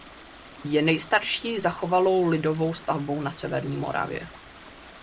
Je nejstarší zachovalou lidovou stavbou na severní Moravě.